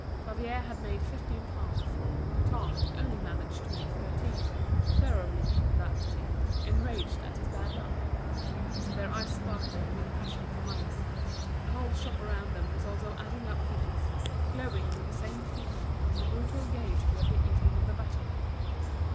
Favier had made fifteen francs, Hutin had only managed to make thirteen, thoroughly beaten that day, enraged at his bad luck. Their eyes sparkled with the passion for money. The whole shop around them was also adding up figures, glowing with the same fever, in the brutal gaiety of the evening of the battle.